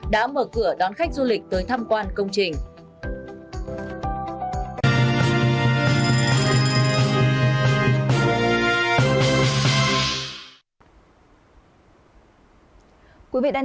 đã mở cửa đón khách du lịch tới tham quan công trình